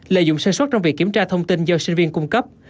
lợi dụng sơ suất trong việc kiểm tra thông tin do sinh viên cung cấp